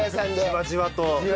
じわじわと。